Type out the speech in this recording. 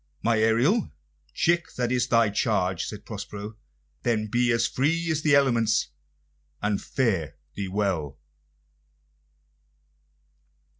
"My Ariel, chick, that is thy charge," said Prospero. "Then be free as the elements, and fare thee well!"